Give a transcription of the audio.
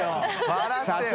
笑ってよ。